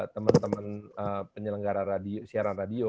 teman teman penyelenggara siaran radio